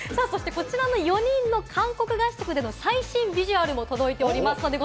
こちらの４人の韓国合宿での最新ビジュアルも届いています。